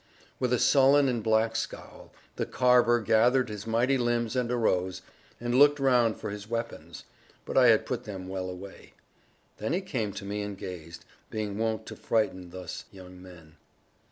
With a sullen and black scowl, the Carver gathered his mighty limbs and arose, and looked round for his weapons; but I had put them well away. Then he came to me and gazed, being wont to frighten thus young men.